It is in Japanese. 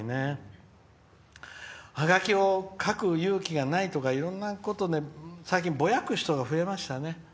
ハガキを書く勇気がないとかいろんなことをぼやく人が最近、増えましたね。